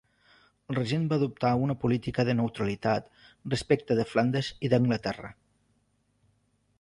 El regent va adoptar una política de neutralitat respecte de Flandes i d'Anglaterra.